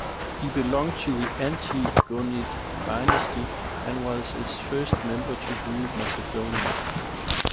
He belonged to the Antigonid dynasty and was its first member to rule Macedonia.